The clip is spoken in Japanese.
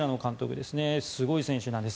すごい選手なんです。